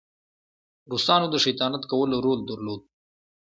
روسانو د شیطانت کولو رول درلود.